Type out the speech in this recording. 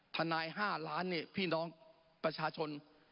ทนาย๕ล้านนี่พี่น้องประชาชน